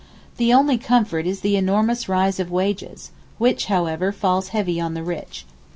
The only comfort is the enormous rise of wages, which however falls heavy on the rich.